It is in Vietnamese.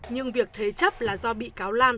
nhưng việc thế chấp là do bị cáo lan